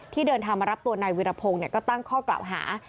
เดินทางมารับตัวนายวิรพงศ์ก็ตั้งข้อกล่าวหา